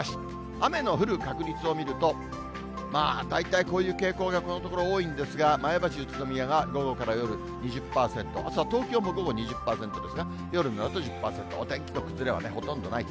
雨の降る確率を見ると、大体こういう傾向がこのところ多いんですが、前橋、宇都宮が午後から夜２０％、あすは東京も午後２０％ですが、夜になると１０％、お天気の崩れはほとんどない。